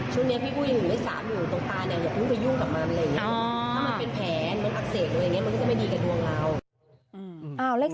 ช่วงนี้พี่พูดอย่างงี้เลข๓อยู่ตรงตาเนี่ย